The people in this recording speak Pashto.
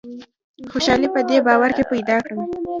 خوشالي په دې باور کې پیدا کړم.